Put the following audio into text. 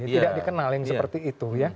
tidak dikenal yang seperti itu ya